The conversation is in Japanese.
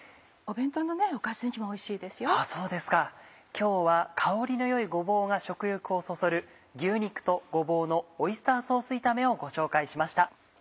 今日は香りの良いごぼうが食欲をそそる牛肉とごぼうのオイスターソース炒めをご紹介しました。